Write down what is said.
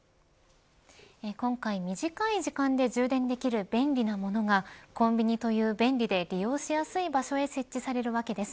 今回、短い時間で充電できる便利なものがコンビニという便利で利用しやすい場所へ設置されるわけです。